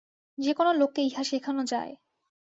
যে-কোন লোককে ইহা শেখানো যায়।